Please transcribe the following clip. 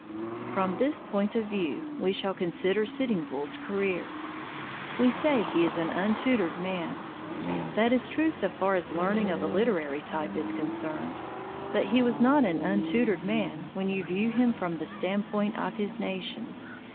From this point of view we shall consider Sitting Bull's career. We say he is an untutored man: that is true so far as learning of a literary type is concerned; but he was not an untutored man when you view him from the standpoint of his nation.